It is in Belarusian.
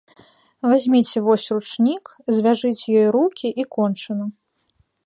Вазьміце вось ручнік, звяжыце ёй рукі, і кончана.